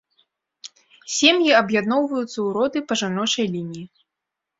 Сем'і аб'ядноўваюцца ў роды па жаночай лініі.